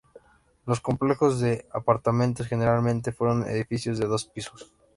Los complejos de apartamentos generalmente fueron edificios de dos pisos.